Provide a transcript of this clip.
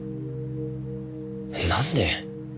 なんで？